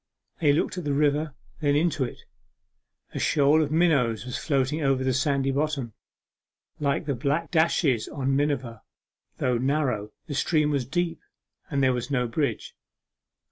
They looked at the river, then into it; a shoal of minnows was floating over the sandy bottom, like the black dashes on miniver; though narrow, the stream was deep, and there was no bridge.